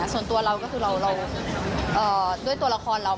ส่วนตัวเราก็คือเราด้วยตัวละครเรา